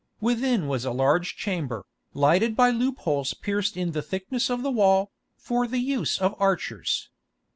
Within was a large chamber, lighted by loopholes pierced in the thickness of the wall, for the use of archers.